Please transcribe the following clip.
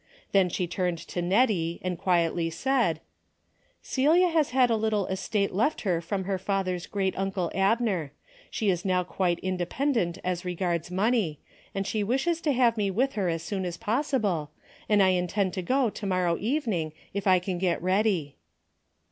Then she turned to Nettie and quietly said :" Celia has had a little estate left her from her father's great uncle Abner. She is now quite independent as regards money, and she wishes to have me with her as soon as possible, and I intend to go to morrow evening, if I can get ready."